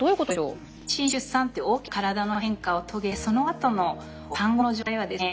妊娠・出産って大きな体の変化を遂げてそのあとの産後の状態はですね